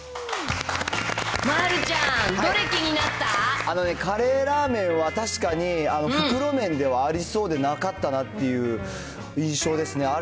丸ちゃん、あのね、カレーラーメンは確かに、袋麺ではありそうでなかったなっていう印象ですね。